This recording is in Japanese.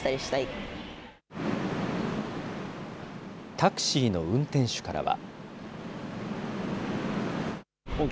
タクシーの運転手からは。